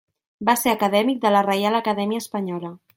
Va ser acadèmic de la Reial Acadèmia Espanyola.